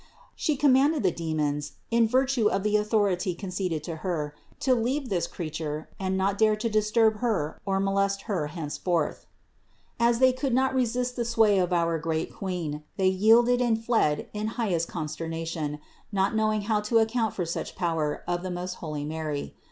She commanded the de mons, in virtue of the authority conceded to Her, to leave this creature and not dare to disturb her or molest her thenceforth. As they could not resist the sway of our great Queen, they yielded and fled in highest consterna tion, not knowing how to account for such power of the most holy Mary.